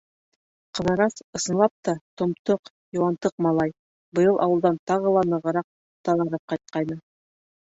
Ҡыҙырас, ысынлап та, томтоҡ, йыуантыҡ малай, быйыл ауылдан тағы ла нығыраҡ таҙарып ҡайтҡайны.